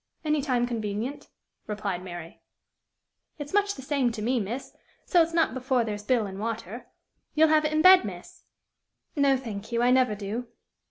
"Any time convenient," replied Mary. "It's much the same to me, miss, so it's not before there's bilin' water. You'll have it in bed, miss?" "No, thank you. I never do."